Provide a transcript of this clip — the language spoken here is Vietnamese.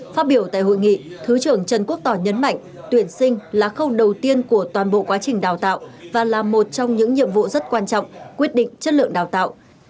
phát biểu tại hội nghị thứ trưởng trần quốc tỏ nhấn mạnh tuyển sinh là khâu đầu tiên của toàn bộ quá trình đào tạo và là một trong những nhiệm vụ rất quan trọng quyết định chất lượng đào tạo